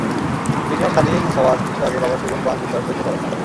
Kenya স্বাধীন হওয়ার কিছু আগে বাবা সুযোগ পান যুক্তরাষ্ট্রে এসে পড়াশোনা করার।